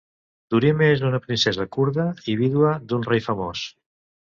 Durimeh és una princesa kurda i vídua d'un rei famós.